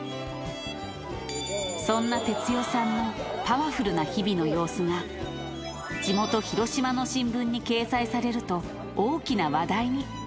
そんな哲代さんのパワフルな日々の様子が、地元、広島の新聞に掲載されると、大きな話題に。